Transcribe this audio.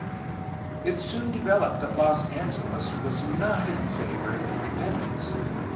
' It soon developed that Los Angeles was not in favor of independence.